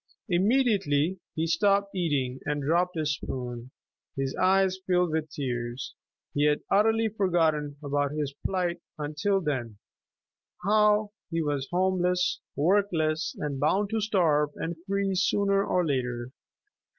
Immediately he stopped eating and dropped his spoon. His eyes filled with tears. He had utterly forgotten about his plight until then, how he was homeless, workless and bound to starve and freeze sooner or later.